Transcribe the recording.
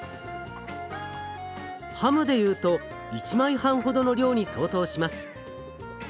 ハムでいうと１枚半ほどの量に相当します。